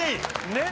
ねっ？